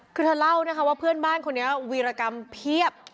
คือเธอเล่านะคะว่าเพื่อนบ้านคนนี้วีรกรรมเพียบ